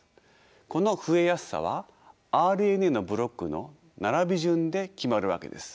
この増えやすさはＲＮＡのブロックの並び順で決まるわけです。